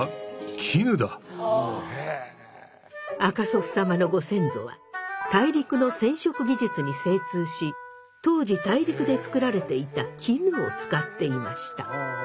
赤祖父様のご先祖は大陸の染色技術に精通し当時大陸で作られていた絹を使っていました。